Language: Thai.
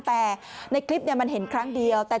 แต่ในคลิปมันเห็นครั้งเดียว